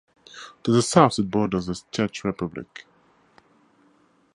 To the south it borders the Czech Republic.